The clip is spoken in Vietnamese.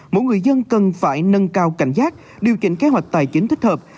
mỗi người dân cần phải nâng cao cảnh giác điều chỉnh kế hoạch tài chính thích hợp